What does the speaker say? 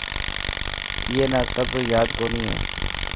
اي نا سب ياد ڪوني هي.